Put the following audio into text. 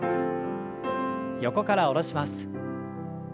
横から下ろします。